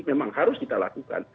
memang harus kita lakukan